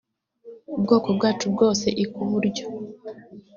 bwoko bwacu bwose i ku buryo